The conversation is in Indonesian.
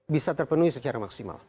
bisa terpenuhi secara maksimal